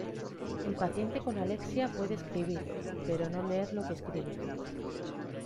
El paciente con alexia puede escribir, pero no leer lo que escribe.